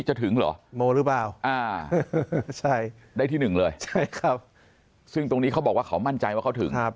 จะถึงเหรอโมหรือเปล่าได้ที่หนึ่งเลยใช่ครับซึ่งตรงนี้เขาบอกว่าเขามั่นใจว่าเขาถึง